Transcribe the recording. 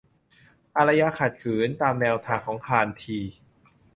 อารยะขัดขืน ตามแนวทางของคานธี